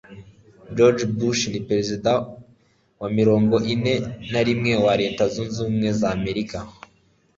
george bush ni perezida wa mirongo ine na rimwe wa leta zunze ubumwe z'amerika